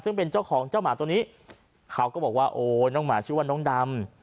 ซึ่งเป็นเจ้าของเจ้าหมาตัวนี้เขาก็บอกว่าโอ้น้องหมาชื่อว่าน้องดำ